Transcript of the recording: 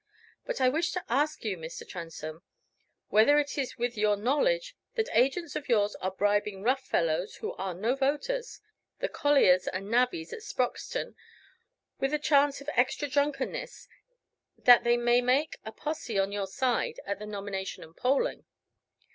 But I wish to ask you, Mr. Transome, whether it is with your knowledge that agents of yours are bribing rough fellows who are no voters the colliers and navvies at Sproxton with the chance of extra drunkenness, that they may make a posse on your side at the nomination and polling?"